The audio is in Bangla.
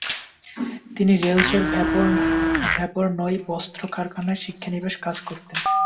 তিনি রেউসের "ভ্যাপর নউ" বস্ত্র কারখানায় শিক্ষানবিশ হিসেবে কাজ করতেন।